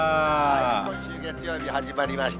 今週月曜日、始まりました。